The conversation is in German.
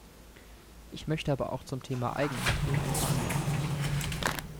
Ich möchte aber auch zum Thema Eigenmittel ein paar Anmerkungen machen.